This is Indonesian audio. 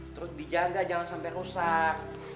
terus dijaga jangan sampai rusak